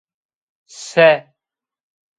Se